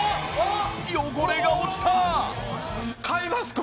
汚れが落ちた！